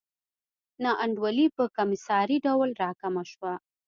نا انډولي په کمسارې ډول راکمه شوه.